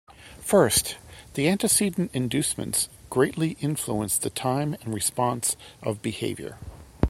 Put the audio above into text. First, the antecedent inducements greatly influence the time and response of behavior.